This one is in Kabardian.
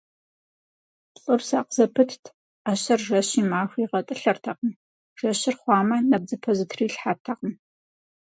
Лӏыр сакъ зэпытт: ӏэщэр жэщи махуи игъэтӏылъыртэкъым, жэщыр хъуамэ, и нэбдзыпэ зэтрилъхьэртэкъым.